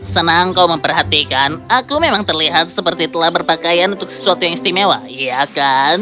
senang kau memperhatikan aku memang terlihat seperti telah berpakaian untuk sesuatu yang istimewa iya kan